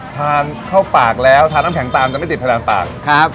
ทานเข้าปากแล้วทานน้ำแข็งตามจะไม่ติดพนันปากครับ